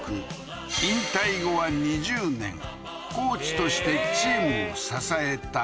引退後は２０年コーチとしてチームを支えた